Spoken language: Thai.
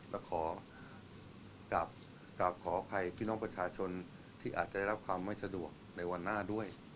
และขอกลับขออภัยพี่น้องประชาชนที่อาจจะได้รับความไม่สะดวกในวันหน้าด้วย